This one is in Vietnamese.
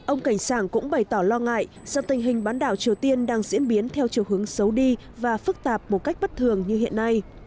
ông cảnh sàng cũng bày tỏ lo ngại do tình hình bán đảo triều tiên đang diễn biến theo chiều hướng xấu đi và phức tạp một cách bất thường như hiện nay